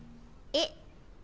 えっ。